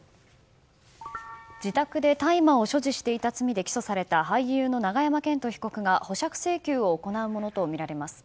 自宅で大麻を所持していた罪で起訴された俳優の永山絢斗被告が保釈請求を行うものとみられます。